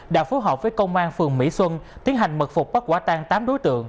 đã phối hợp với công an phường mỹ xuân tiến hành mật phục bắt quả tan tám đối tượng